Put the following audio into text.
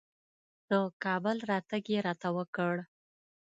د کابل راتګ یې راته وکړ.